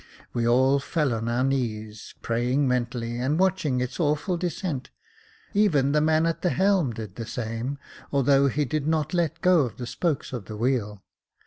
We all fell on our knees, praying mentally, and watching its awful descent ; even the man at the helm did the same, although he did not let go the spokes of the wheel.